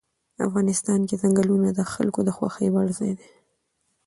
افغانستان کې چنګلونه د خلکو د خوښې وړ ځای دی.